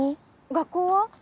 学校は？